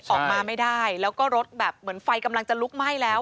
ออกมาไม่ได้แล้วก็รถแบบเหมือนไฟกำลังจะลุกไหม้แล้ว